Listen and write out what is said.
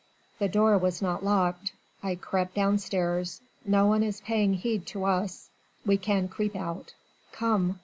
The door was not locked.... I crept downstairs.... No one is paying heed to us.... We can creep out. Come."